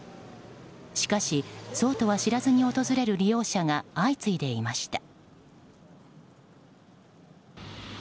しかし、そうとは知らずに訪れる利用者が相次いでいました。